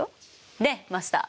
ねっマスター。